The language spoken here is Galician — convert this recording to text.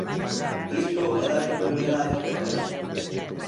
¿Iso é darlle prioridade a un problema?